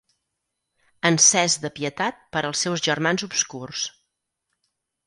Encès de pietat per als seus germans obscurs.